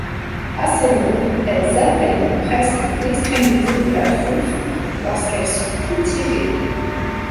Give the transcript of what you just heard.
Assez longues, elles atteignent presque l’extrémité de la truffe lorsqu'elles sont étirées.